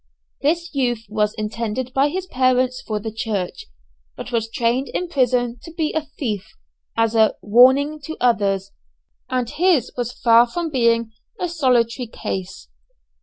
This youth was intended by his parents for the church, but was trained in prison to be a thief, as "a warning to others" and his was far from being a solitary case.